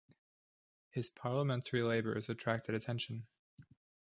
His parliamentary labours attracted attention.